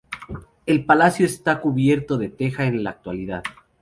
El palacio está cubierto de teja en la actualidad.